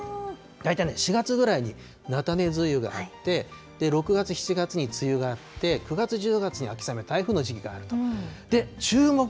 大体ね、４月ぐらいに菜種梅雨があって、６月、７月に梅雨があって、９月、１０月に秋雨、台風の時期があると。